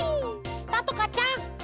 さとかちゃん。